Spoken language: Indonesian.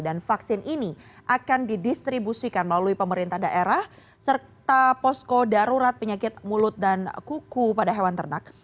dan vaksin ini akan didistribusikan melalui pemerintah daerah serta posko darurat penyakit mulut dan kuku pada hewan ternak